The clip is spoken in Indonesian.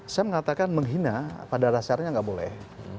saya mengatakan menghina pada dasarnya nggak boleh